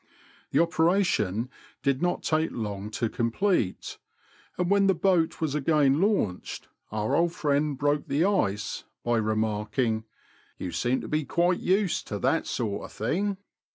The operation did not take long to complete, and when the boat was again launched our old friend broke the ice by remarking, You seem to be quite used to that sort of thing."